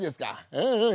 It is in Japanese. うんうん